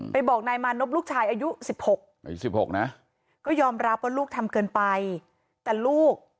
ไปบอกนายมานบลูกชายอายุ๑๖